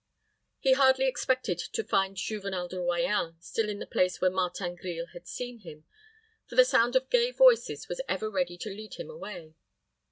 He hardly expected to find Juvenel de Royans still in the place where Martin Grille had seen him; for the sound of gay voices was ever ready to lead him away.